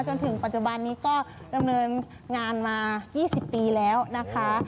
จนถึงปัจจุบันนี้ก็ดำเนินงานมา๒๐ปีแล้วนะคะ